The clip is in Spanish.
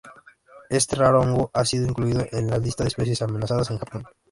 Este raro hongo ha sido incluido en la lista de especies amenazadas en Japón.